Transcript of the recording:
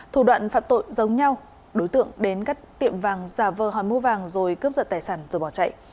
thủ đoạn phạm tội giống nhau đối tượng đến các tiệm vàng giả vờ hỏi mua vàng rồi cướp giật tài sản rồi bỏ chạy